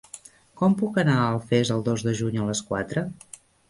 Com puc anar a Alfés el dos de juny a les quatre?